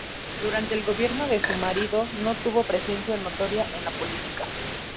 Durante el gobierno de su marido no tuvo presencia notoria en la política.